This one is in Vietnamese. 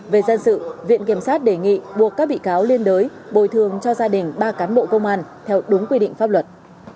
về dân sự viện kiểm sát đề nghị buộc các bị cáo liên đới bồi thường cho gia đình ba cán bộ công an theo đúng quy định pháp luật